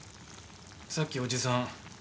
さっきおじさん